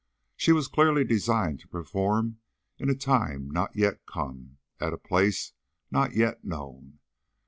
She was clearly designed to perform in a time not yet come, at a place not yet known.